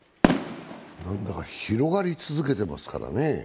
何だか広がり続けてますからね。